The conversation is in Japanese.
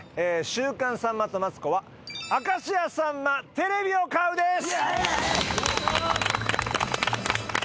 「週刊さんまとマツコ」は明石家さんまテレビを買うです！